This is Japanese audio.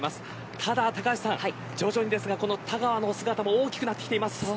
高橋さん、徐々に田川の姿も大きくなってきています。